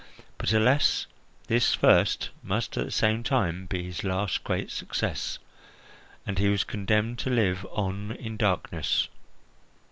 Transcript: But, alas! this first must at the same time be his last great success, and he was condemned to live on in darkness.